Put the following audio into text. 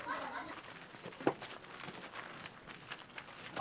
あ！